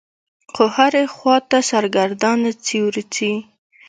خو هرې خوا ته سرګردانه څي رڅي.